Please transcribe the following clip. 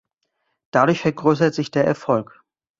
Dadurch vergrößert sich der Erfolg.